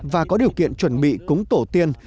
và có điều kiện chuẩn bị cúng tổ tiên